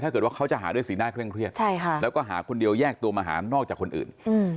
ถ้าเกิดว่าเขาจะหาด้วยสีหน้าเคร่งเครียดแล้วก็หาคนเดียวแยกตัวมาหานอกจากคนอื่น